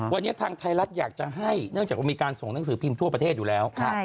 วันนี้ทางไทยรัฐอยากจะให้เนื่องจากว่ามีการส่งหนังสือพิมพ์ทั่วประเทศอยู่แล้ว